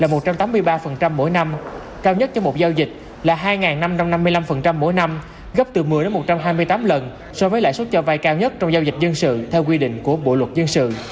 hai trăm tám mươi ba mỗi năm cao nhất trong một giao dịch là hai năm trăm năm mươi năm mỗi năm gấp từ một mươi đến một trăm hai mươi tám lần so với lãi xuất cho vay cao nhất trong giao dịch dân sự theo quy định của bộ luật dân sự